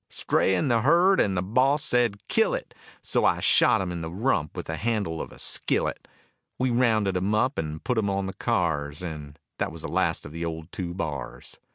Stray in the herd and the boss said kill it, So I shot him in the rump with the handle of the skillet. We rounded 'em up and put 'em on the cars, And that was the last of the old Two Bars.